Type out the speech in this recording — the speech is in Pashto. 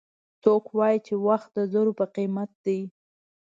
څوک وایي چې وخت د زرو په قیمت ده